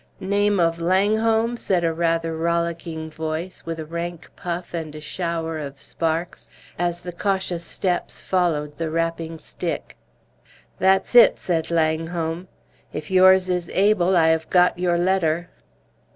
"Name of Langholm?" said a rather rollicking voice, with a rank puff and a shower of sparks, as the cautious steps followed the rapping stick. "That's it," said Langholm; "if yours is Abel, I have got your letter."